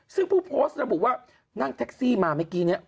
ซึ่งผู้โพสต์ระบุว่านั่งแท็กซี่มาเมื่อกี้เนี่ย